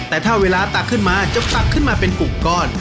แต่ถ้าเวลาตักขึ้นมาจะตักขึ้นมาเป็นกลุ่มก้อน